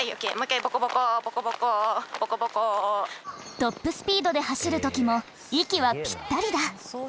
トップスピードで走る時も息はピッタリだ。